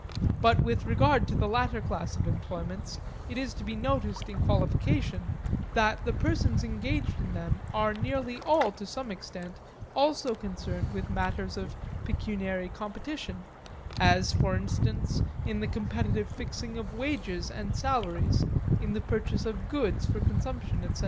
But with regard to the latter class of employments it is to be noticed in qualification that the persons engaged in them are nearly all to some extent also concerned with matters of pecuniary competition (as, for instance, in the competitive fixing of wages and salaries, in the purchase of goods for consumption, etc.).